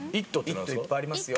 「イット」いっぱいありますよ。